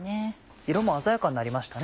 色も鮮やかになりましたね。